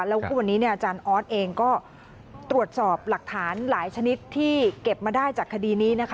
แล้วก็วันนี้เนี่ยอาจารย์ออสเองก็ตรวจสอบหลักฐานหลายชนิดที่เก็บมาได้จากคดีนี้นะคะ